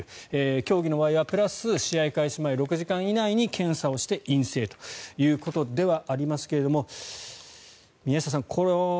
競技の場合はプラス、試合開始前６時間以内に検査をして陰性ということではありますが宮下さん